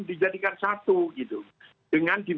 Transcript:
dijadikan satu gitu